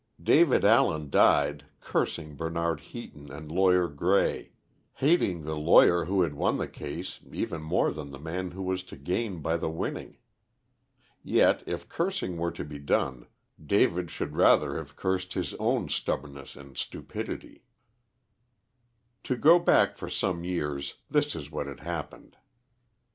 David Allen died, cursing Bernard Heaton and lawyer Grey; hating the lawyer who had won the case even more than the man who was to gain by the winning. Yet if cursing were to be done, David should rather have cursed his own stubbornness and stupidity. To go back for some years, this is what had happened.